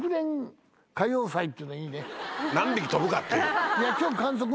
何匹跳ぶかっていう。